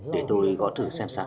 để tôi gõ thử xem sao